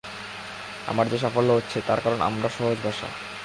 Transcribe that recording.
আমার যে সাফল্য হচ্ছে, তার কারণ আমার সহজ ভাষা।